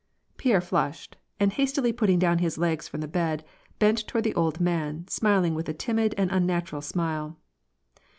Pierre flushed, and hastily putting down his legs from the bed, bent toward the old man, smiling with a timid and un natural smile.